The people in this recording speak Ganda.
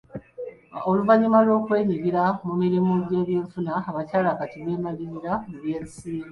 Oluvannyuma lw'okwenyigira mu mirimu gy'ebyenfuna, abakyala kati beemalirira mu byensimbi.